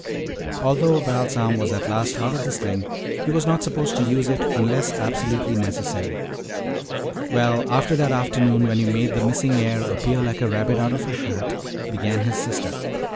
Although Val's arm was at last out of the sling, he was not supposed to use it unless absolutely necessary. "Well, after that afternoon when you made the missing heir appear like a rabbit out of a hat " began his sister.